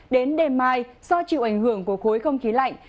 đến đêm mai do chịu ảnh hưởng của khối không khí lạnh